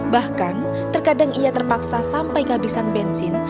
bahkan terkadang ia terpaksa sampai kehabisan bensin